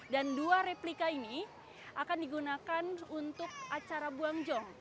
dan dua replika ini akan digunakan untuk acara buangjong